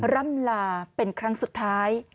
ร่ำลาเป็นครั้งสุดท้าย